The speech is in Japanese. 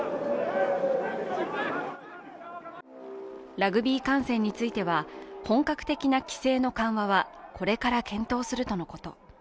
ラグビー観戦については本格的な規制の緩和はこれから検討するとのこと。